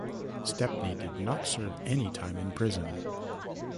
Stepney did not serve any time in prison.